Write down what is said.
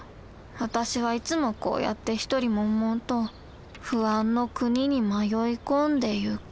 私はいつもこうやって一人もんもんと不安の国に迷い込んでいく。